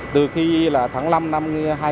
từ khi là tháng năm năm hai nghìn một mươi sáu